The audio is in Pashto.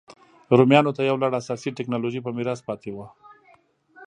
رومیانو ته یو لړ اساسي ټکنالوژۍ په میراث پاتې وې